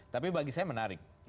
tapi bagi saya menarik